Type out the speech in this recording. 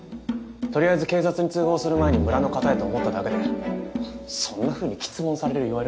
取りあえず警察に通報する前に村の方へと思っただけでそんなふうに詰問されるいわれは。